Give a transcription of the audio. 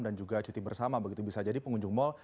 dan juga cuti bersama begitu bisa jadi pengunjung mal